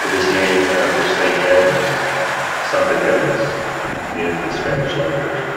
It is named after Saint Agnes, "Santa Ynez" in the Spanish language.